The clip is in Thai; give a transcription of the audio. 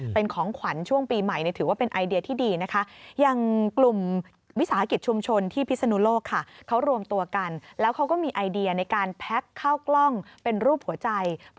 เป็นของขวัญช่วงปีใหม่ถือว่าเป็นไอเดียที่ดีนะคะ